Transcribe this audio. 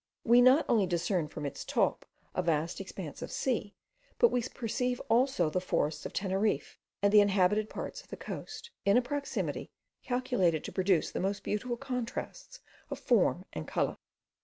We not only discern from its top a vast expanse of sea, but we perceive also the forests of Teneriffe, and the inhabited parts of the coasts, in a proximity calculated to produce the most beautiful contrasts of form and colour.